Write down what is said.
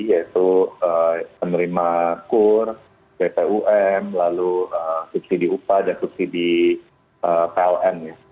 yaitu penerima kur bpum lalu subsidi upah dan subsidi pln